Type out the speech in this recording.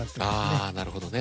ああなるほどね。